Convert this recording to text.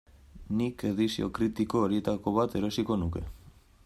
Nik edizio kritiko horietako bat erosiko nuke.